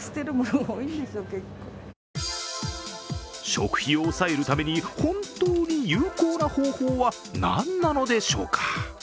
食費を抑えるために、本当に有効な方法は何なのでしょうか？